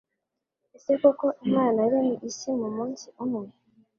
Ese koko Imana yaremye isi mumunsi umwe?